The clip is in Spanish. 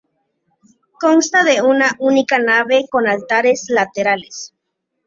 Consta de una única nave con altares laterales.